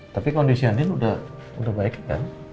tapi kondisi adin udah baik kan